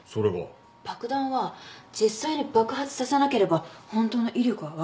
爆弾は実際に爆発させなければ本当の威力は分からない。